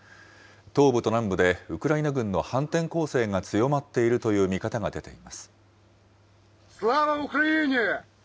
東部と南部でウクライナ軍の反転攻勢が強まっているという見方が出ています。